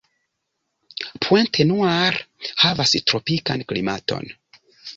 Pointe-Noire havas tropikan klimaton.